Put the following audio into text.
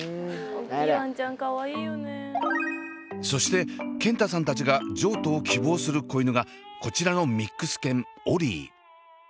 そして健太さんたちが譲渡を希望する子犬がこちらのミックス犬オリィ。